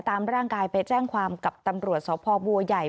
ตามร่างกายไปแจ้งความกับตำรวจสพบัวใหญ่